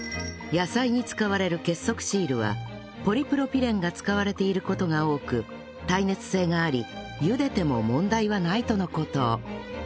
野菜に使われる結束シールはポリプロピレンが使われている事が多く耐熱性があり茹でても問題はないとの事